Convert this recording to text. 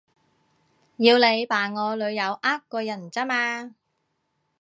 要你扮我女友呃個人咋嘛